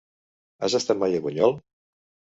Has estat mai a Bunyol?